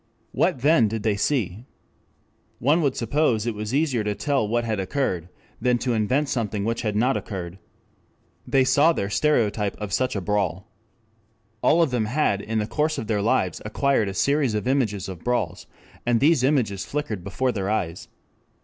What then did they see? One would suppose it was easier to tell what had occurred, than to invent something which had not occurred. They saw their stereotype of such a brawl. All of them had in the course of their lives acquired a series of images of brawls, and these images flickered before their eyes.